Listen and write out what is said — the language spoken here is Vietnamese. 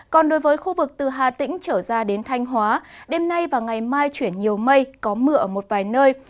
còn đối với khu vực từ hà tĩnh trở ra đến thanh hóa đêm nay và ngày mai chuyển nhiều mây có mưa ở một vài nơi